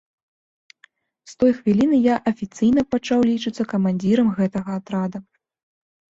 З той хвіліны я афіцыйна пачаў лічыцца камандзірам гэтага атрада.